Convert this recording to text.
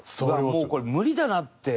もうこれ無理だなって。